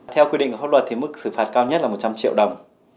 theo quy định của pháp luật thì mức xử phạt cao nhất là một trăm linh triệu đồng